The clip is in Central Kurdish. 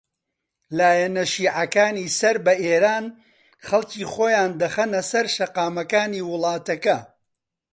لایەنە شیعەکانی سەر بە ئێران خەڵکی خۆیان دەخەنە سەر شەقامەکانی وڵاتەکە